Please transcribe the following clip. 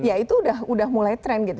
ya itu udah mulai trend gitu